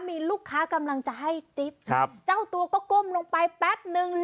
มีลูกค้ากำลังจะให้ติ๊บครับเจ้าตัวก็ก้มลงไปแป๊บนึง